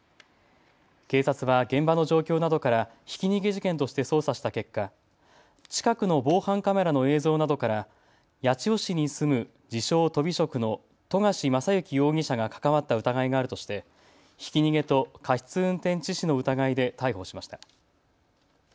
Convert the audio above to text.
警察は現場の状況などからひき逃げ事件として捜査した結果、近くの防犯カメラの映像などから八千代市に住む自称、とび職の戸梶将行容疑者が関わった疑いがあるとしてひき逃げと過失運転致死の疑いで逮捕しました。